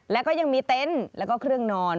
แล้วก็ยังมีเต็นต์แล้วก็เครื่องนอน